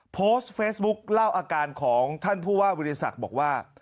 โพสต์เฟซบุ๊คเล่าอาการของท่านผู้ว่าวิทยาศักดิ์บอกว่า